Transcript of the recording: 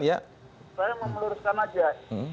saya mau meluruskan saja